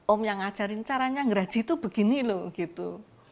om yang ngajarin caranya ngeraji itu begini loh gitu